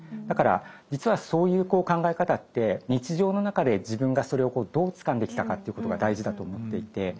だから実はそういうこう考え方って日常の中で自分がそれをどうつかんできたかということが大事だと思っていて。